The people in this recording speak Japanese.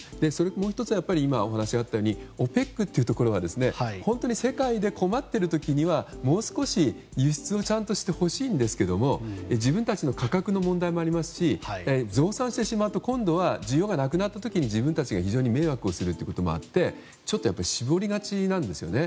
もう１つは今、お話があったようにＯＰＥＣというところは本当に世界で困っている時にはもう少し輸出をちゃんとしてほしいんですけれども自分たちの価格の問題もありますし増産してしまうと今度は需要がなくなった時に自分たちが非常に迷惑をするということもあってちょっと絞りがちなんですよね。